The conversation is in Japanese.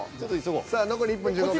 さあ残り１分１５秒。